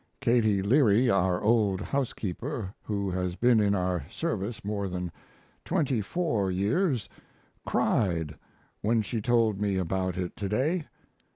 Katie Leary, our old housekeeper, who has been in our service more than twenty four years, cried when she told me about it to day.